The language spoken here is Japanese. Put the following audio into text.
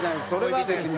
それは。